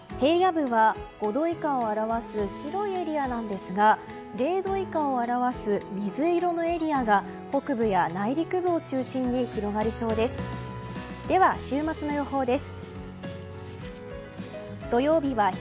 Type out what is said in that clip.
明日の最低気温の様子を見てみると平野部は５度以下を表す白いエリアなんですが０度以下を表す水色のエリアが北部や内陸部を中心に広がりそうです。